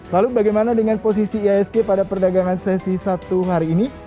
lalu bagaimana dengan posisi iasg pada perdagangan sesi satu hari ini